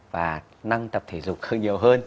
và năng tập thể dục hơn nhiều hơn